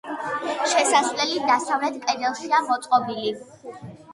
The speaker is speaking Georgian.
შესასვლელი დასავლეთ კედელშია მოწყობილი.